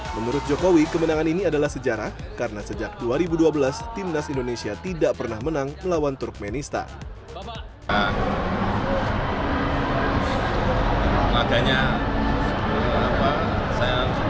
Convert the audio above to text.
menurut jokowi kemenangan ini adalah sejarah karena sejak dua ribu dua belas timnas indonesia tidak pernah menang melawan turkmenistan